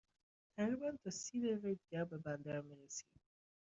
تقریباً تا سی دقیقه دیگر به بندر می رسیم.